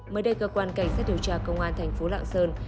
mới đây cơ quan cảnh sát điều tra công an thành phố lạng sơn